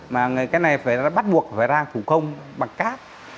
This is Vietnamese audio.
mà cái này phải bắt buộc phải ra thủ công bằng cát